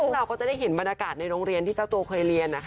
ซึ่งเราก็จะได้เห็นบรรยากาศในโรงเรียนที่เจ้าตัวเคยเรียนนะคะ